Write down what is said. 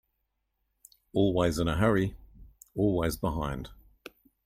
Always in a hurry, always behind.